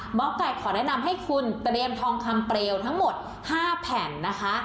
หมอไก่ขอแนะนำให้คุณเตรียมทองคำเปลวทั้งหมด๕แผ่นนะคะ